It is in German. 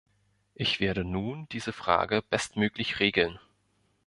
Ich werde nun diese Frage bestmöglich regeln.